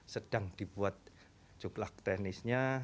sedang dibuat juklat teknisnya